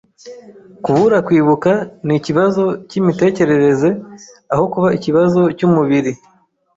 Kubura kwibuka ni ikibazo cyimitekerereze aho kuba ikibazo cyumubiri